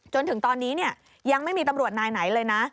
จนถึงตอนนี้ยังไม่มีตำรวจนายไหนเลยนะ